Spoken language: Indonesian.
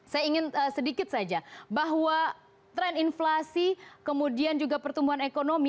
saya ingin sedikit saja bahwa tren inflasi kemudian juga pertumbuhan ekonomi